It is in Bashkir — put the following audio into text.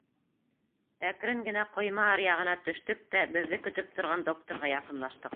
Әкрен генә ҡойма аръяғына төштөк тә беҙҙе көтөп торған докторға яҡынлаштыҡ.